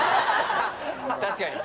確かに。